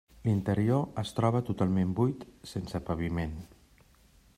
L’interior es troba totalment buit, sense paviment.